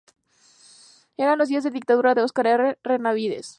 Eran los días de la dictadura de Óscar R. Benavides.